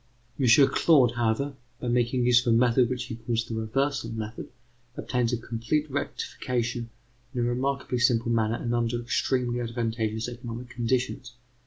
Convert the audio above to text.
M. Claude, however, by making use of a method which he calls the reversal method, obtains a complete rectification in a remarkably simple manner and under extremely advantageous economic conditions.